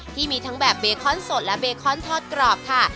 ที่มีทั้งแบบเบคอนสดและเบคอนทอดกรอบค่ะ